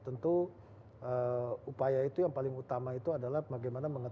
tentu upaya itu yang paling utama itu adalah bagaimana mengetahui